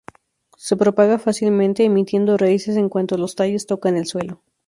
Se propaga fácilmente emitiendo raíces en cuanto los tallos tocan el suelo.